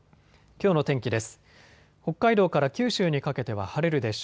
きょうの天気です。